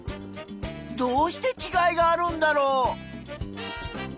どうしてちがいがあるんだろう？